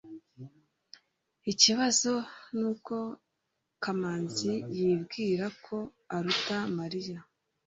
ikibazo nuko kamanzi yibwira ko aruta mariya